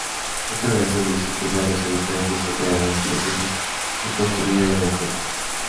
Otra versión dice que varios habitantes cooperaron su ayuda y construyeron el templo.